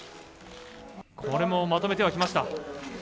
これもまとめてはきました。